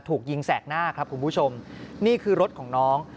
ถูกยิงแสกหน้าครับคุณผู้ชมนี่คือรถของน้อง